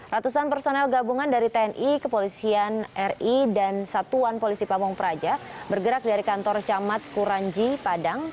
ratusan personel gabungan dari tni kepolisian ri dan satuan polisi pamung praja bergerak dari kantor camat kuranji padang